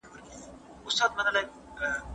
کار کول عيب نه دی.